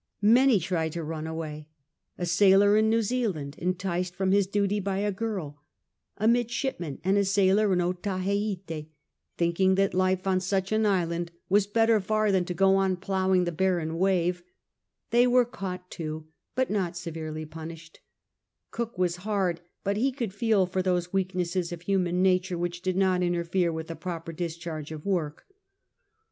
Many tried to nin away ; a sailor in New Zealand, enticed from his duty by a girl ; a mid shipman and a sailor in Otaheite, thinking that life on such an islaTid was better far than to go on ploughing the barren wave ; they were caught^ too, but not severely punished — Cook was hard, but he could feel for those weaknesses of human nature which did not interfere with the proper discharge of work.